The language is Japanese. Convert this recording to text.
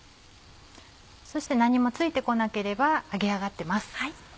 そして何も付いて来なければ揚げ上がってます。